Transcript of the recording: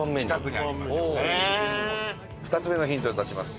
２つ目のヒント出します。